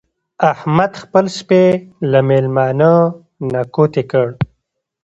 احمد خپل سپی له مېلمانه نه کوتې کړ.